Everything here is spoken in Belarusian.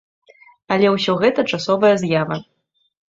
Але ўсё гэта часовая з'ява.